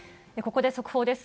ここで速報です。